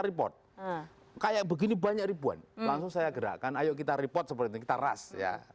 repot kayak begini banyak ribuan langsung saya gerakan ayo kita report seperti itu kita ras ya